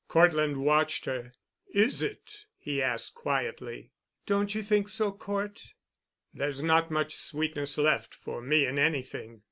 Cortland watched her. "Is it?" he asked quietly. "Don't you think so, Cort?" "There's not much sweetness left, for me in anything.